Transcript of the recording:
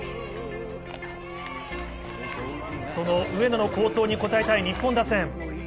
その上野の好投に応えたい日本打線。